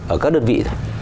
ở các đơn vị